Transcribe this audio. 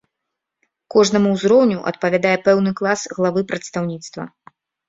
Кожнаму ўзроўню адпавядае пэўны клас главы прадстаўніцтва.